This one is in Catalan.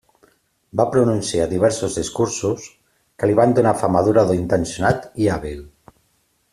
Va pronunciar diversos discursos que li van donar fama d'orador intencionat i hàbil.